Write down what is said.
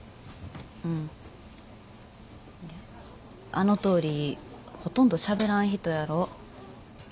あのとおりほとんどしゃべらん人やろ。